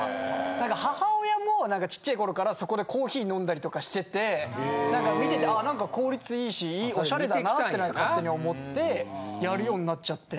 母親も小っちゃい頃からそこでコーヒー飲んだりとかしてて見てて「あ何か効率いいしオシャレだな」って勝手に思ってやるようになっちゃって。